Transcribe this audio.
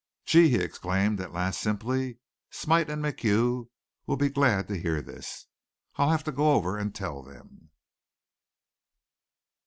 "Gee!" he exclaimed at last simply. "Smite and MacHugh'll be glad to hear this. I'll have to go over and tell them."